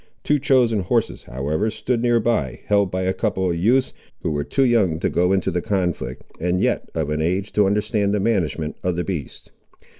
Two chosen horses, however, stood near by, held by a couple of youths, who were too young to go into the conflict, and yet of an age to understand the management of the beasts.